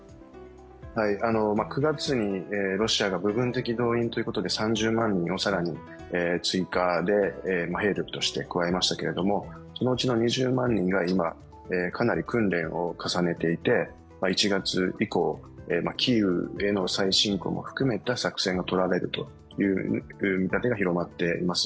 ９月にロシアが部分的動員ということで３０万人を更に追加で兵力として加えましたけれどもそのうちの２０万人が今かなり訓練を重ねていて１月以降、キーウへの再侵攻も含めた作戦が取られるという見立てが広がっています。